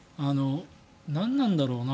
何なんだろうな